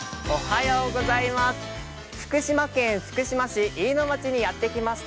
福島県福島市飯野町にやってきまし。